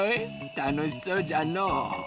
たのしそうじゃのう。